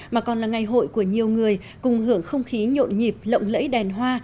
mà còn là ngày hội của nhiều người cùng hưởng không khí nhộn nhịp lộng lẫy đèn hoa